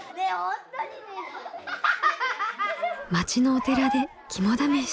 町のお寺で肝試し。